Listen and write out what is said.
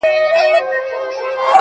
دلته ما په خپلو سترګو دي لیدلي ،